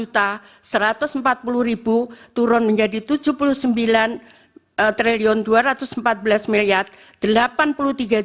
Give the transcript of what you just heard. turun menjadi rp tujuh puluh sembilan enam puluh tujuh enam puluh tujuh